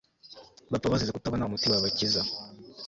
bapfa bazize kutabona umuti wabakiza